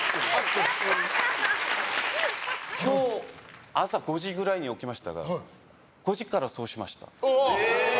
今日、朝５時くらいに起きましたが５時から、そうしました。